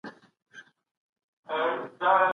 د ډلو ترمنځ سياسي اړيکي خرابي سوې.